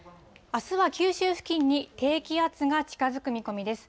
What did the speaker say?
あすは九州付近に低気圧が近づく見込みです。